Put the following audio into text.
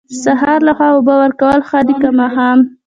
د سهار لخوا اوبه ورکول ښه دي که ماښام؟